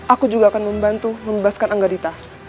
aku juga akan membantu membebaskan angga dita